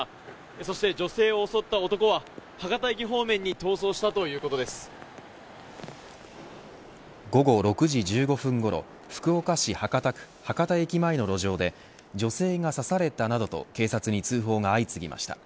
そして女性を襲った男は博多駅方面に午後６時１５分ごろ福岡市博多区博多駅前の路上で女性が刺された、などと警察に通報が相次ぎました。